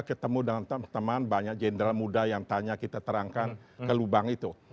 ketemu dengan teman teman banyak jenderal muda yang tanya kita terangkan ke lubang itu